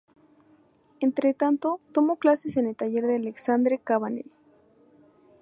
Entretanto, tomó clases en el taller de Alexandre Cabanel.